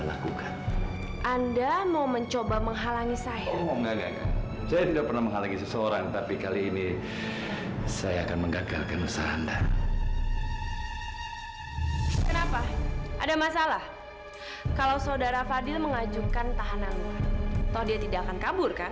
sampai jumpa di video selanjutnya